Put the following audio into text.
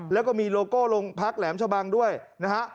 แล้วก็มีโลโก้โรงพักแหลมชะบังด้วยนะฮะ